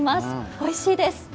おいしいです。